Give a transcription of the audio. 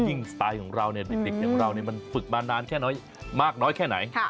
ยิ่งสไตล์ของเราฝึกตู้นานแค่มากน้อยแค่ไหน